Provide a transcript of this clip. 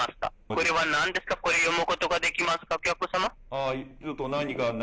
これはなんですか、これ読むことができますか？